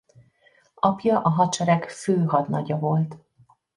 Apja a hadsereg főhadnagya volt.